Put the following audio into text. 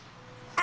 あ。